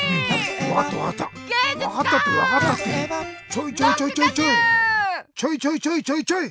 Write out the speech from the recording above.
ちょいちょいちょいちょい！